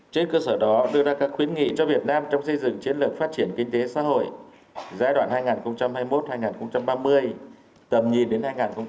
trên cơ sở đó đưa ra các khuyến nghị cho việt nam trong xây dựng chiến lược phát triển kinh tế xã hội giai đoạn hai nghìn hai mươi một hai nghìn ba mươi tầm nhìn đến hai nghìn năm mươi